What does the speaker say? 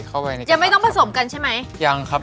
ยังไม่ต้องผสมกันใช่ไหมยังครับ